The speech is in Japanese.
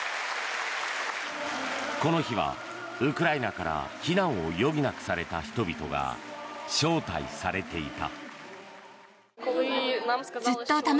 この日はウクライナから避難を余儀なくされた人々が招待されていた。